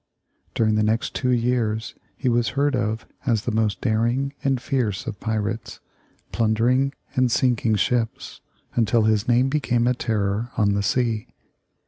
During the next two years he was heard of as the most daring and fierce of pirates, plundering and sinking ships, until his name became a terror on the sea.